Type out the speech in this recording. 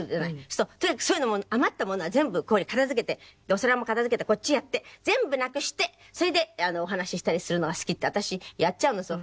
とにかくそういう余ったものは全部片付けてお皿も片付けてこっちやって全部なくしてそれでお話ししたりするのが好きって私やっちゃうのそういう風に。